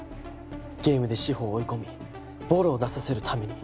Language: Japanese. ゲームで志法を追い込みボロを出させるために。